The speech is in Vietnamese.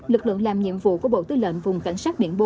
lực lượng làm nhiệm vụ của bộ tư lệnh vùng cảnh sát biển bốn